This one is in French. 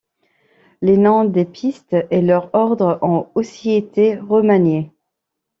Les noms des pistes et leur ordre ont aussi été remaniés.